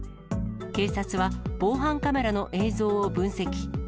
警察は防犯カメラの映像を分析。